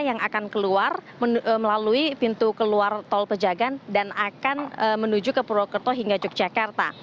yang akan keluar melalui pintu keluar tol pejagan dan akan menuju ke purwokerto hingga yogyakarta